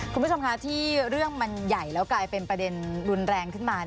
คุณผู้ชมคะที่เรื่องมันใหญ่แล้วกลายเป็นประเด็นรุนแรงขึ้นมา